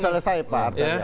belum selesai pak artel ya